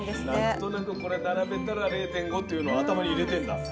何となくこれ並べたら０．５っていうの頭に入れてんだ。